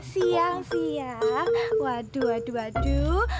siang siang waduh aduh aduh